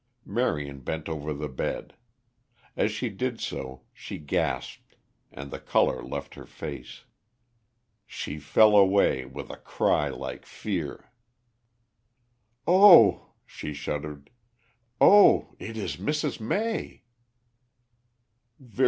Marion bent over the bed. As she did so she gasped and the color left her face. She fell away with a cry like fear. "Oh," she shuddered. "Oh, it is Mrs. May!"